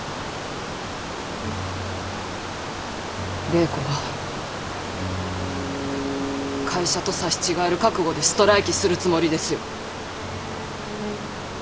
礼子は会社と刺し違える覚悟でストライキするつもりですよ。